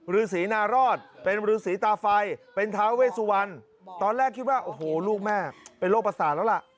ฤษีนารอดเป็นฤษีตาไฟเป็นท้าเวสุวรรณตอนแรกคิดว่าโอ้โหลูกแม่เป็นโรคประสาทแล้วล่ะ